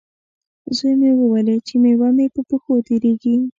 زوی مې وویلې، چې میوه مې په پښو تېرېږي.